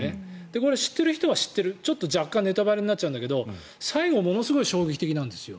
これ、知ってる人は知ってる若干ネタバレになると思うんですけど最後ものすごい衝撃的なんですよ。